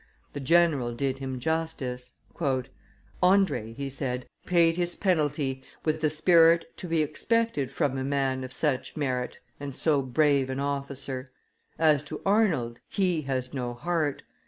The general did him justice. "Andre," he said, "paid his penalty with the spirit to be expected from a man of such merit and so brave an officer. As to Arnold, he has no heart.